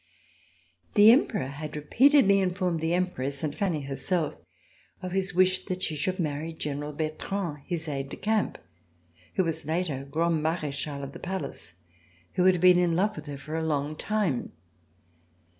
The Emperor had repeatedly informed the Empress and Fanny herself of his wish that she should marry General Bertrand, his aide de camp, who was later Grand Marechal of the Palace, who had been in love with her for a long time.